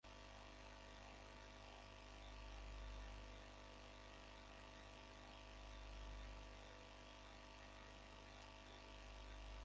নেতাদের মধ্যে গুরুতর মতবিরোধের কারণে পাঁচ মাস ধরে সরকার গঠনের প্রক্রিয়া চলে।